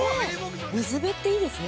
◆水辺っていいですね。